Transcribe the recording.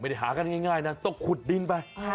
ไม่ได้หากันง่ายนะต้องขุดดินไป